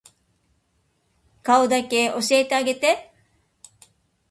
顔だけ教えてあげて